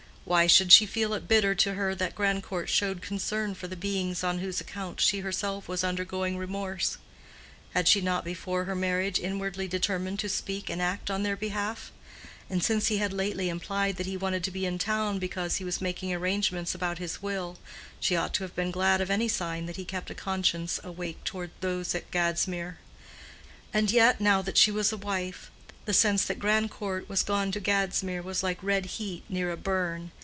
Why should she feel it bitter to her that Grandcourt showed concern for the beings on whose account she herself was undergoing remorse? Had she not before her marriage inwardly determined to speak and act on their behalf?—and since he had lately implied that he wanted to be in town because he was making arrangements about his will, she ought to have been glad of any sign that he kept a conscience awake toward those at Gadsmere; and yet, now that she was a wife, the sense that Grandcourt was gone to Gadsmere was like red heat near a burn.